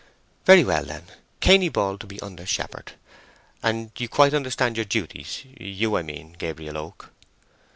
"Very well then, Cainey Ball to be under shepherd. And you quite understand your duties?—you I mean, Gabriel Oak?"